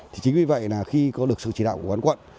thì chính vì vậy là khi có được sự chỉ đạo của quán quận